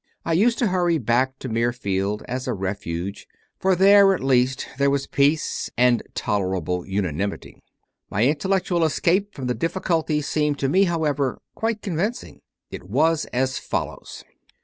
I used to hurry back to Mir field as to a refuge; for there at least there was 72 CONFESSIONS OF A CONVERT peace and tolerable unanimity. My intellectual escape from the difficulty seemed to me, however, quite convincing. It was as follows.